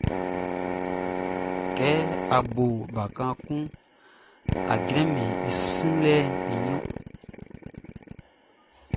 Kɛ a bo bakan kunʼn, a jranmɛn i sunlɛʼn i ɲrun.